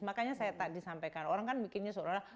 makanya saya tadi sampaikan orang kan bikinnya seorang